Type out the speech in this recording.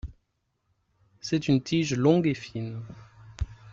C’est une tige longue et fine.